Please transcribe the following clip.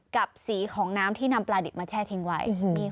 กับสีของน้ำที่นำปลาดิบมาแช่ทิ้งไว้